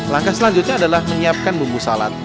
langkah selanjutnya adalah menyiapkan bumbu salad